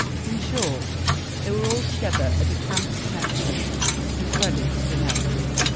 In short, they were altogether a dacent connection, and a credit to the name.